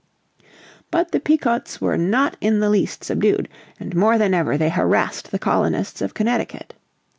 But the Pequots were not in the least subdued, and more than ever they harassed the colonists of Connecticut.